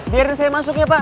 biarin saya masuk ya pak